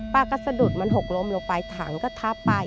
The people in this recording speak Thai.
ป้าก็สะดุดมันหกล้มลงไปถังก็ทับไป